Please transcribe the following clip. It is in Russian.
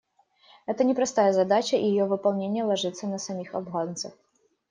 Это непростая задача, и ее выполнение ложится на самих афганцев.